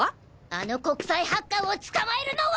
あの国際ハッカーを捕まえるのは。